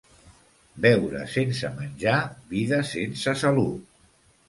Beure sense menjar, vida sense salut.